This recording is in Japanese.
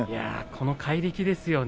この怪力ですね。